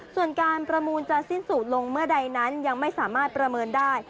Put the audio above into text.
ส่วนการประมูลจะสิ้นสุดลงเมื่อใดนั้นยังไม่สามารถประเมินได้